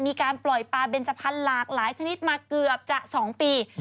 มีการปล่อยปลาเบนจพันธุ์หลากหลายชนิดมาเกือบจะ๒ปี